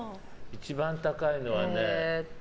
一番高いのはね。